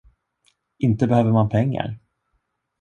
Inte behöver man pengar.